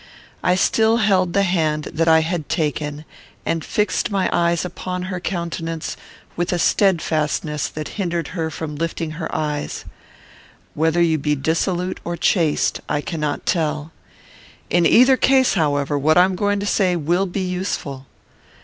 I still held the hand that I had taken, and fixed my eyes upon her countenance with a steadfastness that hindered her from lifting her eyes. "I know you not; whether you be dissolute or chaste, I cannot tell. In either case, however, what I am going to say will be useful.